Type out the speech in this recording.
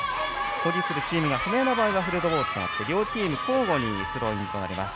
保持するチームが不明瞭の場合はヘルドボールとなって両チーム交互にスローインとなります。